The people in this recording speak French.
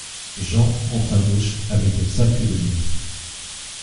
Jean entre à gauche avec le sac de nuit.